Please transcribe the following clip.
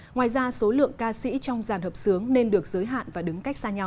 ngoài ra số lượng ca sĩ trong giàn hợp sướng nên được giới hạn và đứng cách xa nhau